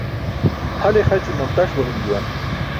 Hal ixaći maltaṣ balum juwan.